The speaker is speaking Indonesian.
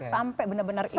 sampai benar benar islam